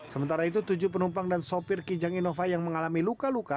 sementara itu tujuh penumpang dan sopir kijang innova yang mengalami luka luka